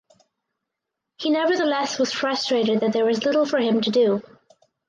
He nevertheless was frustrated that there was little for him to do.